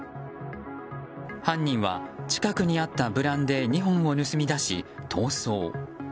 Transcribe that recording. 犯人は近くにあったブランデー２本を盗み出し逃走。